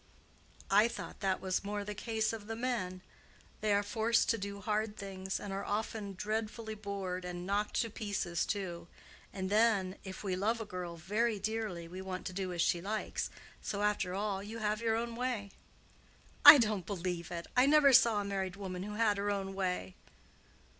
"I thought that was more the case of the men. They are forced to do hard things, and are often dreadfully bored, and knocked to pieces too. And then, if we love a girl very dearly we want to do as she likes, so after all you have your own way." "I don't believe it. I never saw a married woman who had her own way."